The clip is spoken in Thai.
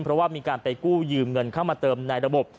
เพราะว่ามีการไปกู้ยืมเงินเข้ามาเติมในระบบ